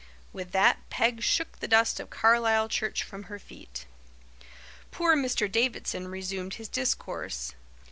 With that Peg shook the dust of Carlisle church from her feet. Poor Mr. Davidson resumed his discourse.